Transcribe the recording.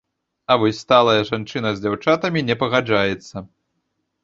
А вось сталая жанчына з дзяўчатамі не пагаджаецца.